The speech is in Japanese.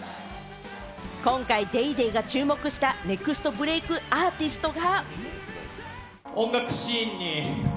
今回『ＤａｙＤａｙ．』が注目したネクストブレークアーティストが。